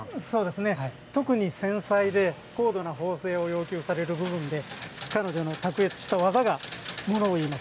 特に繊細で高度な縫製を要求される部分で彼女の卓越した技が物を言います。